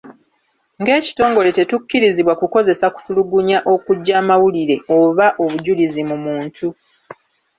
Ng’ekitongole tetukkirizibwa kukozesa kutulugunya okuggya mawulire oba bujulizi mu muntu.